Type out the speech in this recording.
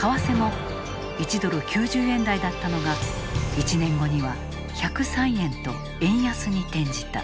為替も１ドル＝９０円台だったのが１年後には１０３円と円安に転じた。